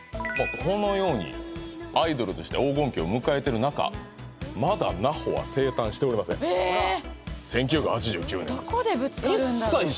このようにアイドルとして黄金期を迎えてる中まだ奈穂は生誕しておりません１９８９年どこでぶつかるんだろ？